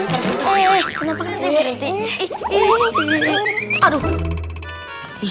eh kenapa kan dia berhenti